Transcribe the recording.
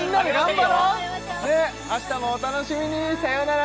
明日もお楽しみにさよなら